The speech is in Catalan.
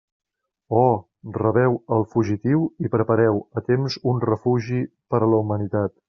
Oh!, rebeu el fugitiu i prepareu a temps un refugi per a la humanitat.